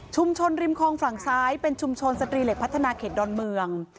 ริมคลองฝั่งซ้ายเป็นชุมชนสตรีเหล็กพัฒนาเขตดอนเมือง